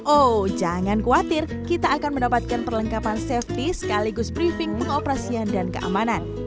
oh jangan khawatir kita akan mendapatkan perlengkapan safety sekaligus briefing pengoperasian dan keamanan